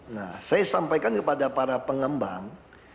nah saya sampaikan kepada para pengembang